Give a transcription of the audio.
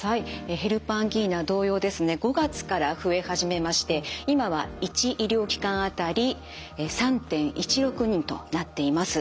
ヘルパンギーナ同様ですね５月から増え始めまして今は１医療機関当たり３．１６人となっています。